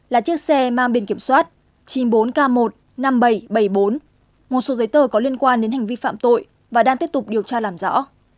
là chiếc xe mang biển kiểm soát chín mươi bốn k một mươi năm nghìn bảy trăm bảy mươi bốn một số giấy tờ có liên quan đến hành vi phạm tội và đang tiếp tục điều tra làm rõ